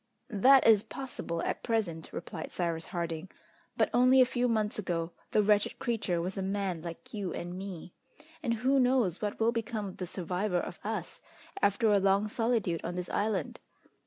"That is possible at present," replied Cyrus Harding; "but only a few months ago the wretched creature was a man like you and me. And who knows what will become of the survivor of us after a long solitude on this island?